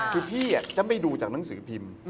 คือพี่จะไม่ดูจากหนังสือพิมพ์